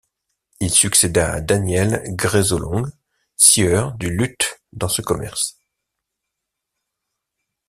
Il succéda à Daniel Greysolon, sieur du Lhut dans ce commerce.